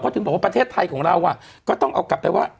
ถึงบอกว่าประเทศไทยของเราก็ต้องเอากลับไปว่า